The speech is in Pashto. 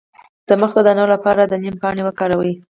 د مخ د دانو لپاره د نیم پاڼې وکاروئ